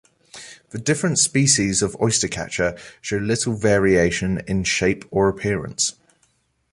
The different species of oystercatcher show little variation in shape or appearance.